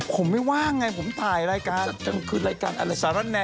ทำไมไม่ไปงานบากเกิดเมียตัวเองนะ